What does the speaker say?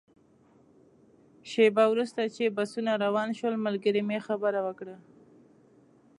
شېبه وروسته چې بسونه روان شول، ملګري مې خبره وکړه.